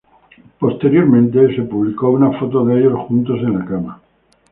Posteriormente fue publicada una foto de ellos juntos en la cama.